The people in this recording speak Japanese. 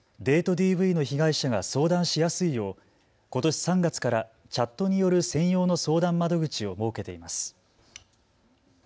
ＤＶの被害者が相談しやすいようことし３月からチャットによる専用の相談窓口を設けています。